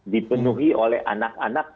dipenuhi oleh anak anak